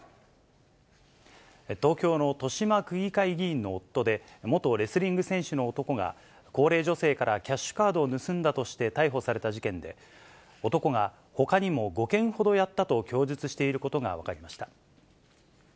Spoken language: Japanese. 東京の豊島区議会議員の夫で、元レスリング選手の男が、高齢女性からキャッシュカードを盗んだとして逮捕された事件で、男がほかにも５件ほどやったと供述していることが分かりました。